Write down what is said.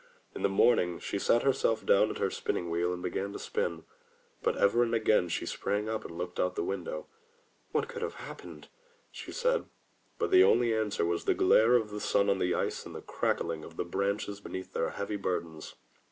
In the morning she sat herself down at her spinning wheel and began to spin, but ever and again she sprang up and looked out at the window. "What can have happened?*' she said. But the only answer was the glare of the sun on the ice and the cracking of the branches beneath their heavy burdens.